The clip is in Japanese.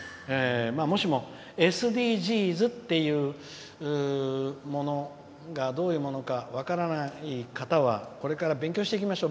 もしもＳＤＧｓっていうものがどういうものか分からない方はこれから勉強していきましょう。